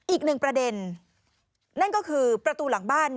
อีกหนึ่งประเด็นนั่นก็คือประตูหลังบ้าน